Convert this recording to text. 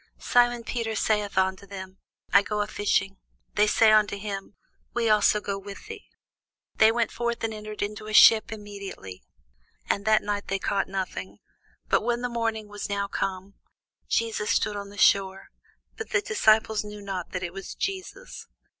Simon Peter saith unto them, I go a fishing. They say unto him, We also go with thee. They went forth, and entered into a ship immediately; and that night they caught nothing. But when the morning was now come, Jesus stood on the shore: but the disciples knew not that it was Jesus.